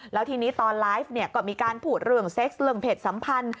แล้วทีนี้ตอนไลฟ์ก็มีการพูดเรื่องเซ็กซ์เรื่องเพจสัมพันธ์